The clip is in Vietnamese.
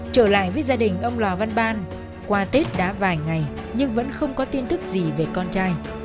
trở lại với gia đình ông lò văn ban qua tết đã vài ngày nhưng vẫn không có tin thức gì về con trai